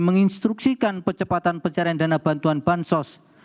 menginstruksikan percepatan pencarian dana bantuan bansos